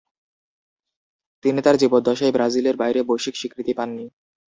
তিনি তার জীবদ্দশায় ব্রাজিলের বাইরে বৈশ্বিক স্বীকৃতি পাননি।